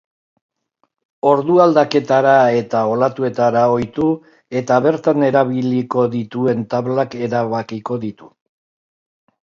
Ordu aldaketara eta olatuetara ohitu, eta bertan erabiliko dituen tablak erabakiko ditu.